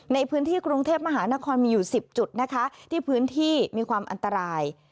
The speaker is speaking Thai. ในพื้นที่กรุงเทพมหานครมีอยู่๑๐จุดนะคะที่พื้นที่มีความอันตราย